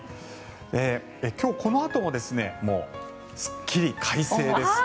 今日、このあともすっきり快晴です。